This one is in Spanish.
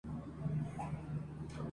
E Frontier